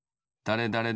だれだれ